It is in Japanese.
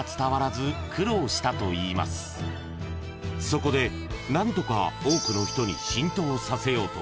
［そこで何とか多くの人に浸透させようと］